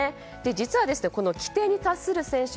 実は、この規定に達する選手